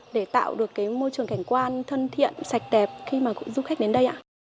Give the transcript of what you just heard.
để tạo được cái môi trường cảnh quan thân thiện sạch đẹp khi mà du khách đến đây ạ